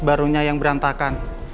barunya yang berantakan